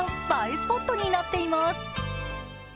スポットになっています。